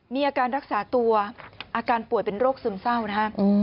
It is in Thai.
มีอาการรักษาตัวอาการป่วยเป็นโรคซึมเศร้านะฮะ